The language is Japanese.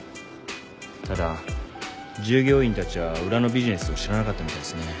ただ従業員たちは裏のビジネスを知らなかったみたいっすね。